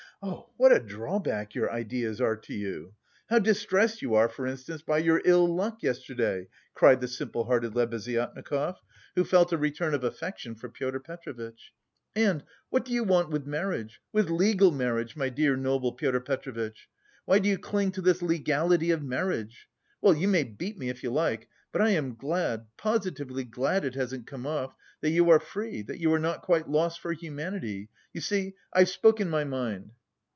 oh, what a drawback your ideas are to you! How distressed you are for instance by your ill luck yesterday," cried the simple hearted Lebeziatnikov, who felt a return of affection for Pyotr Petrovitch. "And, what do you want with marriage, with legal marriage, my dear, noble Pyotr Petrovitch? Why do you cling to this legality of marriage? Well, you may beat me if you like, but I am glad, positively glad it hasn't come off, that you are free, that you are not quite lost for humanity.... you see, I've spoken my mind!"